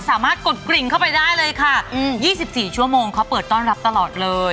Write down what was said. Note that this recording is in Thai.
กดกริ่งเข้าไปได้เลยค่ะ๒๔ชั่วโมงเขาเปิดต้อนรับตลอดเลย